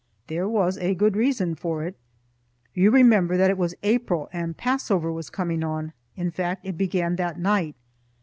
There was a good reason for it. You remember that it was April and Passover was coming on; in fact, it began that night.